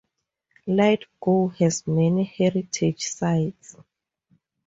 Lithgow has many heritage sites.